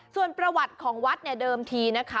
ส่วนประวัติของวัดเนี่ยเดิมทีนะคะ